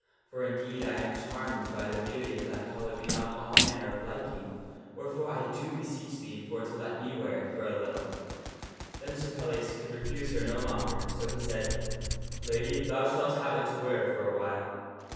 For indeed I am charmed by the beauty of that collar beyond all manner of liking, wherefore I do beseech thee for to let me wear it for a little." Then Sir Pellias could refuse her no longer, so he said, " Lady, thou shalt have it to wear for a while."